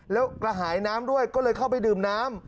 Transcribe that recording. แล้วกระหายน้ำด้วยก็เลยเข้าไปดื่มน้ำ